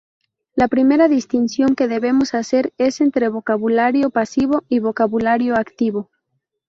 La primera distinción que debemos hacer es entre vocabulario pasivo y vocabulario activo.